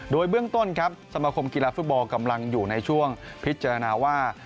โดยเบื้องต้นครับสมคมกีฬาฟุตบอลกำลังอยู่ในช่วงพิจารณาว่า